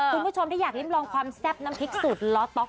คุณผู้ชมที่อยากลิ้มลองความแซ่บน้ำพริกสูตรล้อต๊อก